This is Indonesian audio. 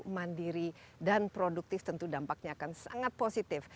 mandiri dan produktif tentu dampaknya akan sangat positif